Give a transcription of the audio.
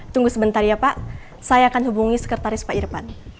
tunggu sebentar ya pak saya akan hubungi sekretaris pak irpan